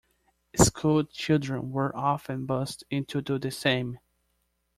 Schoolchildren were often bussed in to do the same.